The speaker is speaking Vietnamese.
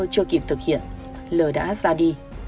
chưa kịp thực hiện l đã ra đi